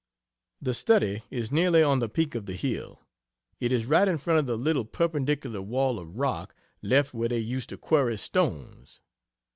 The study is nearly on the peak of the hill; it is right in front of the little perpendicular wall of rock left where they used to quarry stones.